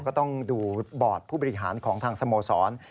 ก็ต้องดูบอร์ดผู้บริหารของทางสโมสร